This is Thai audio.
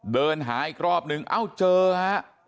เดินหาอีกรอบนึงเอ้าเจอฮะ